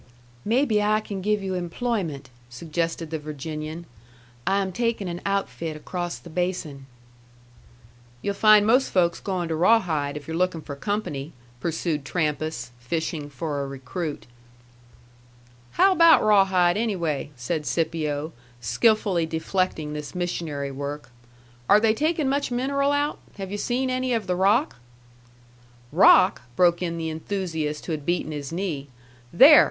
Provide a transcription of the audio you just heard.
"Maybe I can give you employment," suggested the Virginian. "I am taking an outfit across the basin." "You'll find most folks going to Rawhide, if you're looking for company," pursued Trampas, fishing for a recruit. "How about Rawhide, anyway?" said Scipio, skillfully deflecting this missionary work. "Are they taking much mineral out? Have yu' seen any of the rock?" "Rock?" broke in the enthusiast who had beaten his knee. "There!"